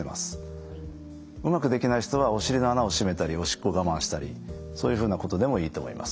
うまくできない人はお尻の穴を閉めたりおしっこを我慢したりそういうふうなことでもいいと思います。